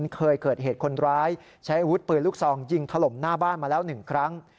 เคยเกิดเหตุคนร้ายใช้อาวุธปืนลูกซองยิงถล่มหน้าบ้านมาแล้ว๑ครั้ง